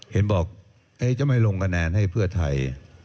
เห็นบอกจะไม่ลงคะแนนให้เพื่อไทย